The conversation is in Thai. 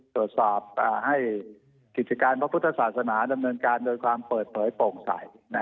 ตรวจสอบให้กิจการพระพุทธศาสนาดำเนินการโดยความเปิดเผยโปร่งใส